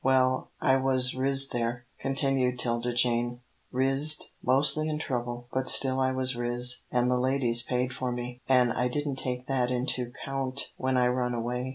"Well, I was riz there," continued 'Tilda Jane, "rizzed mostly in trouble, but still I was riz, an' the ladies paid for me, an' I didn't take that into 'count when I run away."